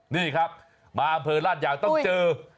นี่ครับมาอำเภอราชยาวต้องเจอ